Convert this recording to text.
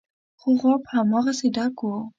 خو غاب هماغسې ډک و.